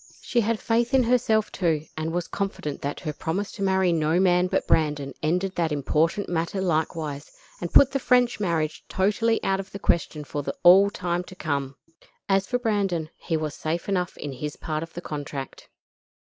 She had faith in herself, too, and was confident that her promise to marry no man but Brandon ended that important matter likewise, and put the French marriage totally out of the question for all time to come. As for Brandon, he was safe enough in his part of the contract.